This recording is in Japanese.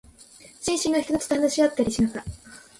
新進の人たちと話し合ったりしながら、